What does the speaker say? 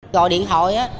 gọi điện thoại